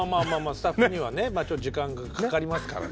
スタッフにはね時間がかかりますからね。